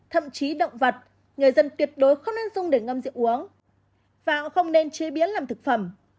thậm chí động vật người dân tuyệt đối không nên dùng để ngâm rượu uống và không nên chế biến làm thực phẩm